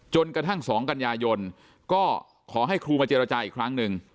จนกระทั่ง๒กันยายนก็ขอให้ครูมาเจรจาอีกครั้งหนึ่ง